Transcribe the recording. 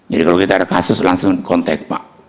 jadi kalau kita ada kasus langsung kontak pak